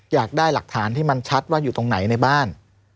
อยากได้หลักฐานที่มันชัดว่าอยู่ตรงไหนในบ้าน